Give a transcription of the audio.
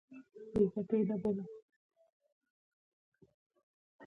چاودیدلې